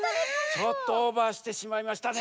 ちょっとオーバーしてしまいましたね。